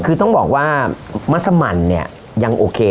คือต้องบอกว่ามัสมันเนี่ยยังโอเค